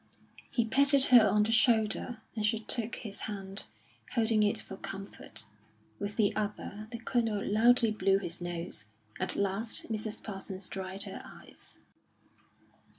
He patted her on the shoulder, and she took his hand, holding it for comfort. With the other, the Colonel loudly blew his nose. At last Mrs Parsons dried her eyes.